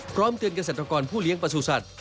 พร้อมเตือนเกษตรกรผู้เลี้ยงประสูจัตว